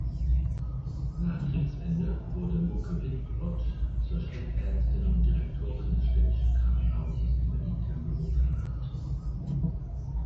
Nach Kriegsende wurde Mucke-Wittbrodt zur Chefärztin und Direktorin des Städtischen Krankenhauses in Berlin-Tempelhof ernannt.